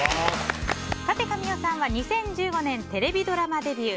神尾さんは２０１５年テレビドラマデビュー。